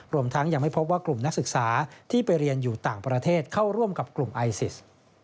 รวมทั้งยังไม่พบว่ากลุ่มนักศึกษาที่ไปเรียนอยู่ต่างประเทศเข้าร่วมกับกลุ่มไอซิส